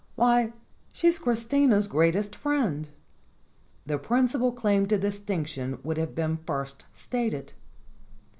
Why, she's Christina's greatest friend." The principal claim to distinction would have been first stated.